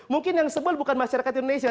mungkin yang sebel bukan masyarakat indonesia